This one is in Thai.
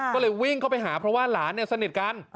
ก็เลยวิ่งเข้าไปหาเพราะว่าหลานสนิทกัน